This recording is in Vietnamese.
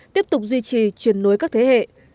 tiếp tục duy trì truyền nối các thế hệ